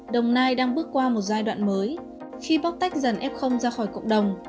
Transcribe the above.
đồng nai đang bước qua một giai đoạn mới khi bóc tách dần f ra khỏi cộng đồng